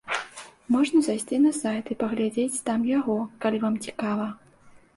Можна зайсці на сайт і паглядзець там яго, калі вам цікава.